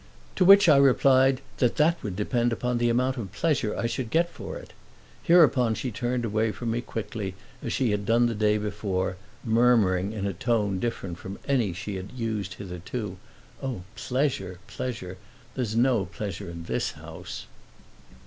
To which I replied that that would depend upon the amount of pleasure I should get for it. Hereupon she turned away from me quickly, as she had done the day before, murmuring in a tone different from any she had used hitherto: "Oh, pleasure, pleasure there's no pleasure in this house!"